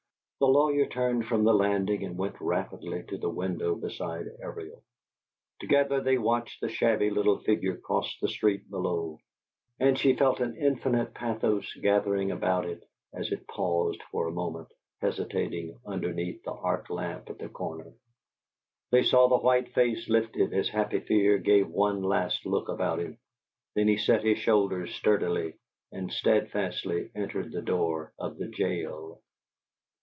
The lawyer turned from the landing and went rapidly to the window beside Ariel. Together they watched the shabby little figure cross the street below; and she felt an infinite pathos gathering about it as it paused for a moment, hesitating, underneath the arc lamp at the corner. They saw the white face lifted as Happy Fear gave one last look about him; then he set his shoulders sturdily, and steadfastly entered the door of the jail.